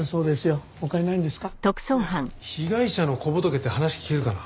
ねえ被害者の小仏って話聞けるかな？